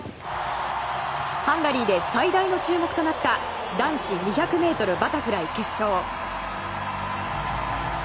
ハンガリーで最大の注目となった男子２００ｍバタフライ決勝。